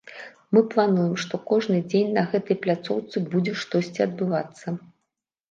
Мы плануем, што кожны дзень на гэтай пляцоўцы будзе штосьці адбывацца.